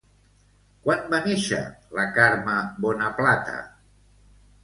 Quan va néixer la Carme Bonaplata?